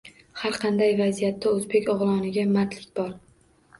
Har qanday vaziyatda o‘zbek o‘g‘loniga mardlik bor.